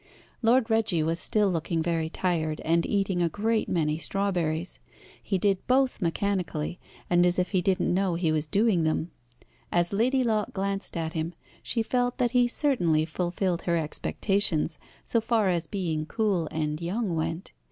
Lord Reggie was still looking very tired, and eating a great many strawberries. He did both mechanically, and as if he didn't know he was doing them. As Lady Locke glanced at him, she felt that he certainly fulfilled her expectations, so far as being cool and young went.